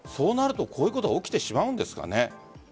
そうなるとこういうことが起きてしまうんですかね？